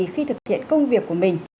khi thực hiện công việc của mình